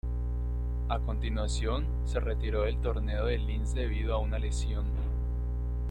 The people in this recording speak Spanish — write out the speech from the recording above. A continuación, se retiró del torneo de Linz debido a una lesión.